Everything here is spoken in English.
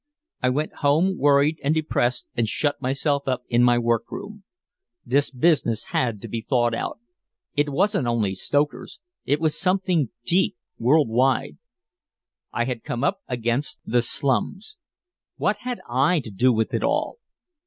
I went home worried and depressed and shut myself up in my workroom. This business had to be thought out. It wasn't only stokers; it was something deep, world wide. I had come up against the slums. What had I to do with it all?